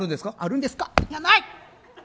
いや、ない！